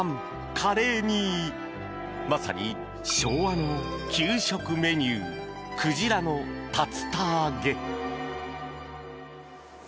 １カレーにまさに昭和の給食メニュークジラの竜田揚げ。